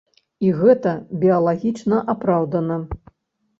І гэта біялагічна апраўдана.